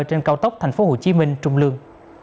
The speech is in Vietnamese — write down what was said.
trên cao tốc tp hcm trung lương